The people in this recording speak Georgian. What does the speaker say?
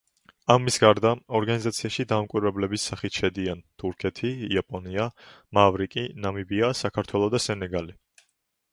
ამას გარდა, ორგანიზაციაში დამკვირვებლების სახით შედიან თურქეთი, იაპონია, მავრიკი, ნამიბია, საქართველო და სენეგალი.